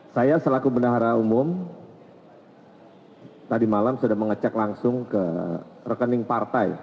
saya selaku bendahara umum tadi malam sudah mengecek langsung ke rekening partai